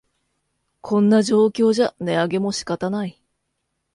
こんな状況じゃ値上げも仕方ない